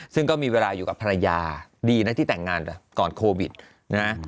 ซึ่งก็มีเวลาอยู่กับภรรยาดีนะที่แต่งงานก่อนโควิดนะ